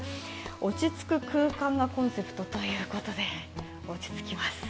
落ち着く空間がコンセプトということで落ち着きます。